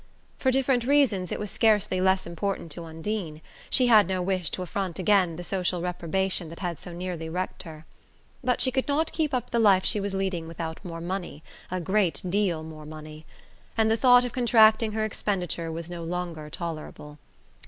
For different reasons it was scarcely less important to Undine: she had no wish to affront again the social reprobation that had so nearly wrecked her. But she could not keep up the life she was leading without more money, a great deal more money; and the thought of contracting her expenditure was no longer tolerable.